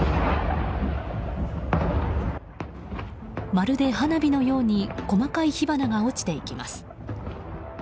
まるで花火のように細かい火花が落ちていきます。